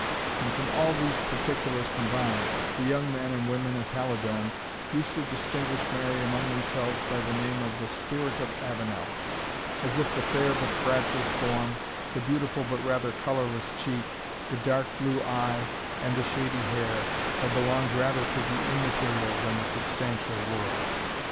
And from all these particulars combined, the young men and women of the Halidome used to distinguish Mary among themselves by the name of the Spirit of Avenel, as if the fair but fragile form, the beautiful but rather colourless cheek, the dark blue eye, and the shady hair, had belonged rather to the immaterial than the substantial world.